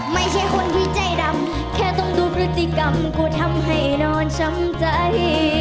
ไม่ใช่คนที่ใจดำแค่ต้องดูพฤติกรรมกูทำให้นอนช้ำใจ